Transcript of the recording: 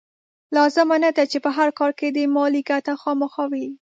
لازمه نه ده چې په هر کار کې دې مالي ګټه خامخا وي.